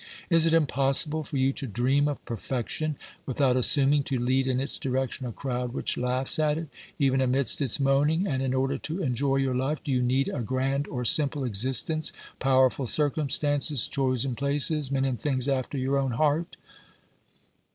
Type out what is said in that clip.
Is it impossible for you to dream of perfection without assuming to lead in its direction a crowd which laughs at it, even amidst its moaning, and in order to enjoy your life, do you need a grand or simple existence, powerful circumstances, chosen OBERMANN 143 places, men and things after your own heart